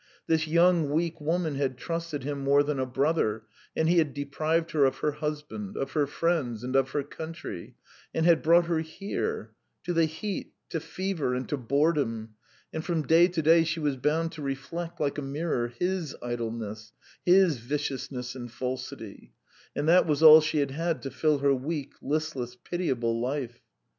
This young weak woman had trusted him more than a brother, and he had deprived her of her husband, of her friends and of her country, and had brought her here to the heat, to fever, and to boredom; and from day to day she was bound to reflect, like a mirror, his idleness, his viciousness and falsity and that was all she had had to fill her weak, listless, pitiable life.